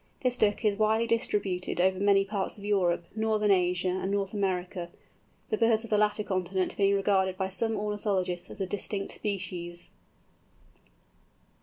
This Duck is widely distributed over many parts of Europe, Northern Asia, and North America, the birds of the latter continent being regarded by some ornithologists as a distinct species.